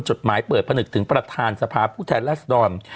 จดหมายเปิดพนึกถึงประธานสภาพภูมิแทนลักษณ์ดอร์ม